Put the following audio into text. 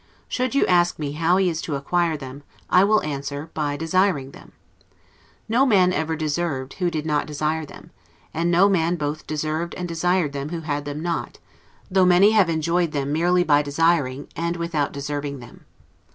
Should you ask me how he is to acquire them, I will answer, By desiring them. No man ever deserved, who did not desire them; and no man both deserved and desired them who had them not, though many have enjoyed them merely by desiring, and without deserving them.